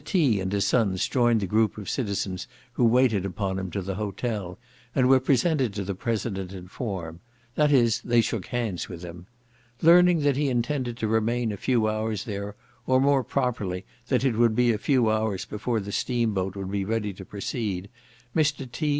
T. and his sons joined the group of citizens who waited upon him to the hotel, and were presented to the President in form; that is, they shook hands with him. Learning that he intended to remain a few hours there, or more properly, that it would be a few hours before the steam boat would be ready to proceed, Mr. T.